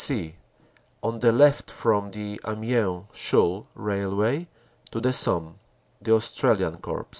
"(c) On the left from the Amiens Chaulnes Railway to the Somme The Australian Corps.